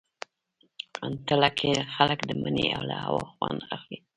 تله کې خلک د مني له هوا خوند اخلي.